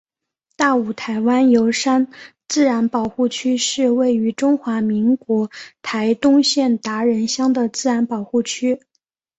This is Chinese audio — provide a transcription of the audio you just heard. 大武台湾油杉自然保护区是位于中华民国台东县达仁乡的自然保护区。